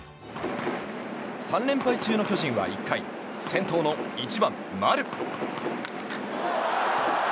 ３連敗中の巨人は１回先頭の１番、丸。